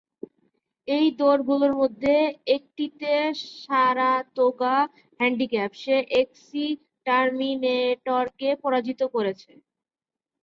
এই দৌড়গুলোর মধ্যে একটিতে, সারাতোগা হ্যান্ডিক্যাপ, সে এক্সিটারমিনেটরকে পরাজিত করেছে।